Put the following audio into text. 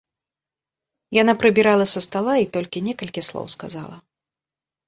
Яна прыбірала са стала і толькі некалькі слоў сказала.